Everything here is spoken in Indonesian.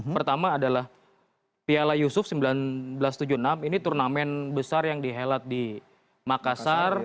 pertama adalah piala yusuf seribu sembilan ratus tujuh puluh enam ini turnamen besar yang dihelat di makassar